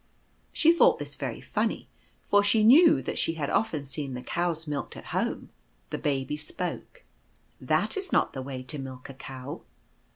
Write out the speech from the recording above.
She thought this very funny, for she knew that she had often seen the cows milked at home. The Baby spoke, " That is not the way to milk a cow."